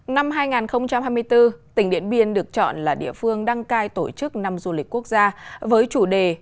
năm hai nghìn hai mươi bốn tỉnh điện biên được chọn là địa phương đăng cai tổ chức năm du lịch quốc gia với chủ đề